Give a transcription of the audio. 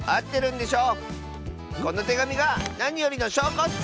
このてがみがなによりのしょうこッス！